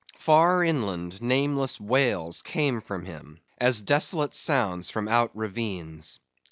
Far inland, nameless wails came from him, as desolate sounds from out ravines.